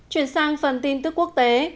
chuyển sang phần tin tức quốc tế